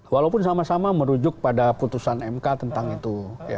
walaupun sama sama merujuk pada putusan mk tentang itu